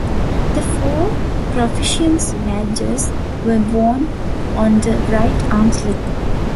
The four "proficiency" badges were worn on the right arm sleeve.